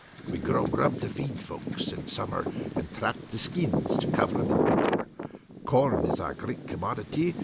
We grow grub to feed folks in summer and trap for skins to cover 'em in winter. Corn is our great commodity.